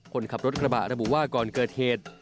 คนขับรถกระบะระบุว่าก่อนเกิดเหตุ